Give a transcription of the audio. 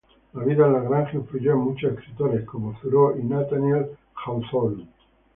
La vida en la granja influyó en muchos escritores como Thoreau y Nathaniel Hawthorne.